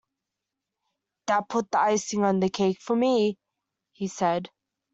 "That put the icing on the cake for me," he said.